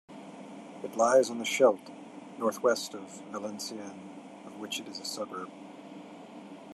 It lies on the Scheldt, northwest of Valenciennes, of which it is a suburb.